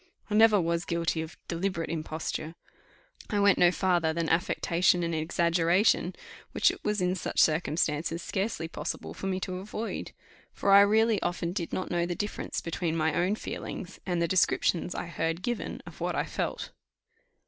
I never was guilty of deliberate imposture. I went no farther than affectation and exaggeration, which it was in such circumstances scarcely possible for me to avoid; for I really often did not know the difference between my own feelings, and the descriptions I heard given of what I felt.